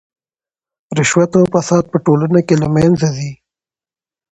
رشوت او فساد په ټولنه کې له منځه ځي.